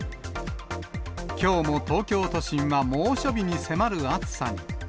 きょうも東京都心は猛暑日に迫る暑さに。